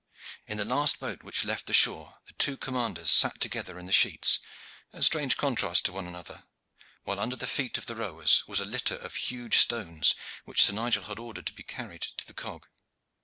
In the last boat which left the shore the two commanders sat together in the sheets, a strange contrast to one another, while under the feet of the rowers was a litter of huge stones which Sir Nigel had ordered to be carried to the cog.